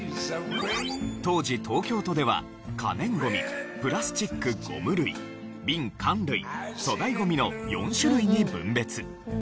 当時東京都では可燃ごみプラスチック・ゴム類瓶・缶類粗大ごみの４種類に分別。